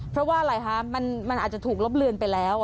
เพราะว่าอะไรคะมันอาจจะถูกลบเลือนไปแล้ว